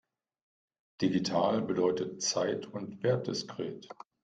Digital bedeutet zeit- und wertdiskret.